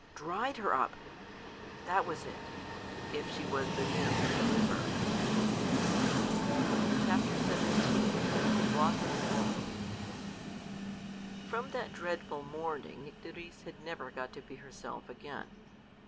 dried her up: that was it, if she was the nymph of the river. XVII. WATHO'S WOLF. From that dreadful morning Nycteris had never got to be herself again.